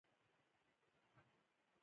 غزني په خراسان کې نه دی.